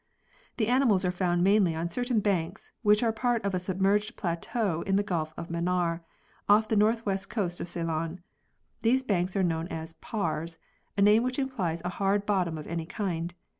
The animals are found mainly on certain banks, which are part of a submerged plateau in the Gulf of Manaar, off the north west coast of Ceylon. These banks are known as " paars " a name which implies a hard bottom of any kind.